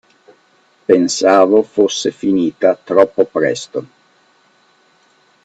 Pensavo fosse finita troppo presto.